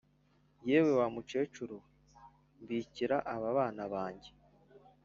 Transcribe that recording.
“yewe wa mukecuru we, mbikira aba bana bange”.